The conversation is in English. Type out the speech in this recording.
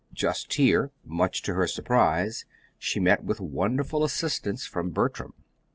Just here, much to her surprise, she met with wonderful assistance from Bertram.